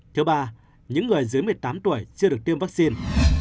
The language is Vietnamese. thứ ba những người dưới một mươi tám tuổi chưa được tiêm vaccine